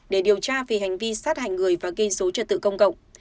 để điều tra về hành vi sát hành người và gây số trật tự công cộng